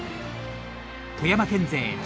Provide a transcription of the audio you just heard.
富山県勢